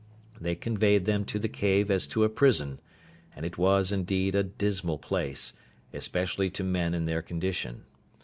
They conveyed them to the cave as to a prison: and it was, indeed, a dismal place, especially to men in their condition.